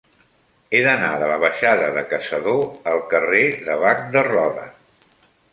He d'anar de la baixada de Caçador al carrer de Bac de Roda.